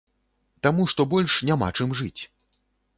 Таму што больш няма чым жыць.